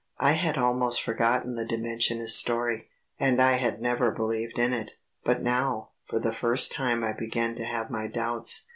I had almost forgotten the Dimensionist story, and I had never believed in it. But now, for the first time I began to have my doubts.